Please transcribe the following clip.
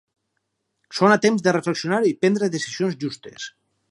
Són a temps de reflexionar i prendre decisions justes.